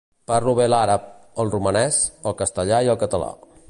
Parlo bé l'àrab, el romanès, el castellà i el català.